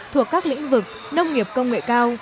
thuộc các lĩnh vực nông nghiệp công nghệ cao